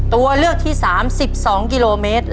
ตัวเลือกที่๓๑๒กิโลเมตร